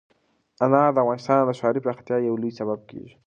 انار د افغانستان د ښاري پراختیا یو لوی سبب کېږي.